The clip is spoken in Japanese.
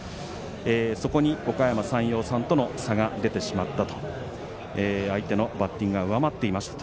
そこに、おかやま山陽さんとの差が出てしまったと相手のバッティングが上回っていましたと。